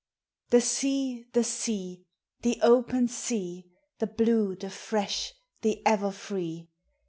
The sea ! the sea ! the open sea ! The blue, the fresh, the ever free!